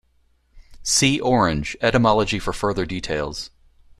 See Orange: etymology for further details.